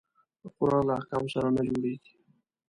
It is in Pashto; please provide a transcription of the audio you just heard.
د قرآن له احکامو سره نه جوړیږي.